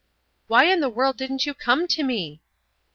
"Why in the world didn't you come to me?"